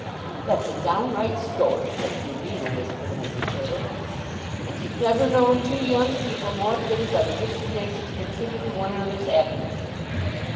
"That's a downright story," said Ruby in a whisper to Mrs. Hurtle. "And he'd never known two young people more fitted by the gifts of nature to contribute to one another's 'appinesses.